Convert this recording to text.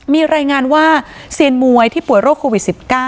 มีรายงานว่าเซียนมวยที่ป่วยโรคโควิด๑๙